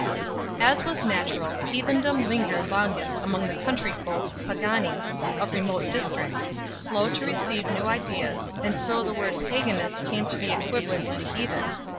As was natural, heathendom lingered longest among the country folk (pagani) of remote districts, slow to receive new ideas, and so the word " paganus came to be equivalent to heathen 4